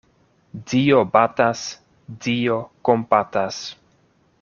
Dio batas, Dio kompatas.